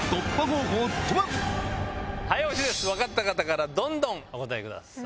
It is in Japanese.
分かった方からどんどんお答えください。